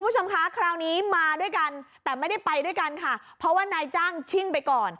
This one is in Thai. คุณผู้ชมคะคราวนี้มาด้วยกันแต่ไม่ได้ไปด้วยกันค่ะเพราะว่านายจ้างชิ่งไปก่อน